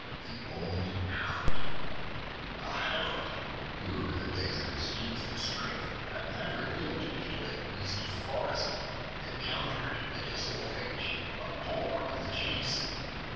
The Old Hound A HOUND, who in the days of his youth and strength had never yielded to any beast of the forest, encountered in his old age a boar in the chase.